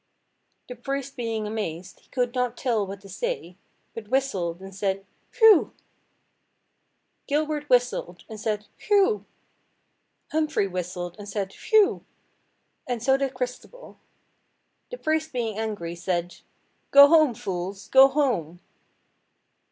The priest being amazed, he could not tell what to say, but whistled and said "Whew!" Gilbert whistled and said "Whew!" Humphrey whistled and said "Whew!" and so did Christabel. The priest being angry, said— "Go home, fools, go home!"